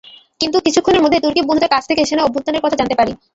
কিন্তু কিছুক্ষণের মধ্যেই তুর্কি বন্ধুদের কাছ থেকে সেনা অভ্যুত্থানের কথা জানতে পারি।